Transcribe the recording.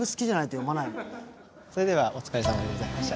それではお疲れさまでございました。